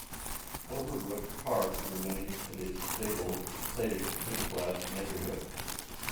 Overbrook Park remains a stable, safe middle-class neighborhood.